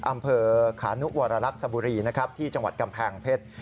อำเภอขานุวรรลักษบุรีนะครับที่จังหวัดกำแพงเพชร